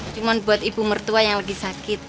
cuma buat ibu mertua yang lagi sakit